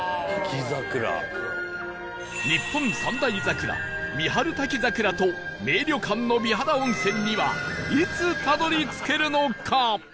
日本三大桜三春滝桜と名旅館の美肌温泉にはいつたどり着けるのか？